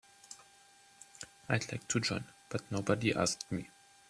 I'd like to join but nobody asked me.